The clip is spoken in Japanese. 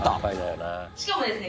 しかもですね